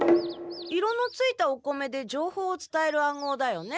色のついたお米で情報をつたえる暗号だよね。